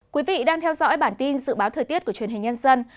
quý vị đang theo dõi bản tin dự báo thời tiết của truyền hình nhân dân